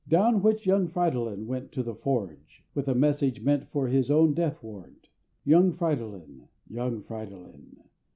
Down which young Fridolin went to the Forge, With a message meant for his own death warrant! Young Fridolin! young Fridolin!